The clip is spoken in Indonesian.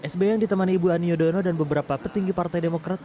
sby yang ditemani ibu ani yudhoyono dan beberapa petinggi partai demokrat